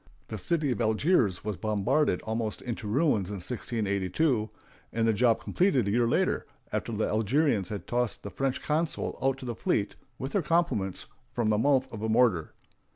The city of Algiers was bombarded almost into ruins in 1682, and the job completed a year later, after the Algerians had tossed the French consul out to the fleet, with their compliments, from the mouth of a mortar.